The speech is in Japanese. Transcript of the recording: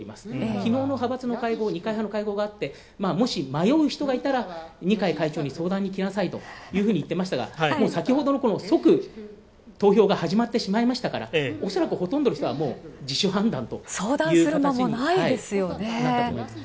きのうの派閥の会合、二階派の会合があって、もし迷う人がいたら二階会長に相談に来なさいといっていましたが即投票が始まってしまいましたから、恐らくほとんどの人はもう、自主判断という形になったと思います。